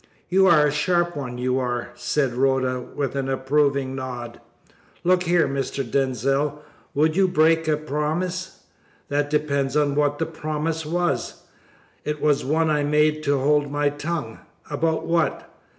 "You are a sharp one, you are!" said Rhoda, with an approving nod. "Look here, Mr. Denzil, would you break a promise?" "That depends upon what the promise was." "It was one I made to hold my tongue." "About what?"